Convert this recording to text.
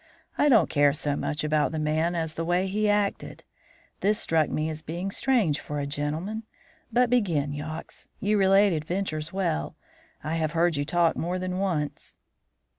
"I don't care so much about the man as the way he acted. This struck me as being strange for a gentleman. But begin, Yox; you relate adventures well. I have heard you talk more than once."